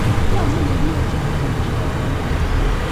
Chomye nekiyosekitun tuwai kobo iman